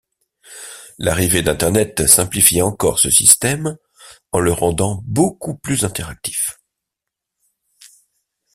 L'arrivée d’internet simplifie encore ce système, en le rendant beaucoup plus interactif.